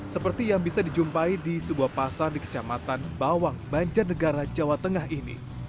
seperti yang bisa dijumpai di sebuah pasar di kecamatan bawang banjarnegara jawa tengah ini